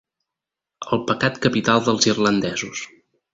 El pecat capital dels irlandesos.